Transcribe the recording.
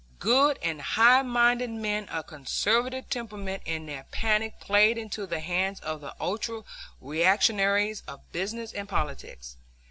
Good and high minded men of conservative temperament in their panic played into the hands of the ultra reactionaries of business and politics.